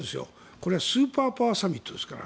これはスーパーパワーサミットですから。